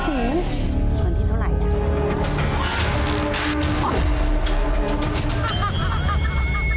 ส่วนที่เท่าไรนะ